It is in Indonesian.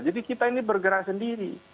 jadi kita ini bergerak sendiri